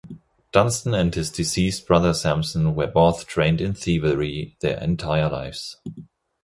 Dunston and his deceased brother Samson were both trained in thievery their entire lives.